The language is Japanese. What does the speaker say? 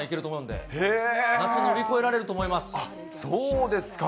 そうですね。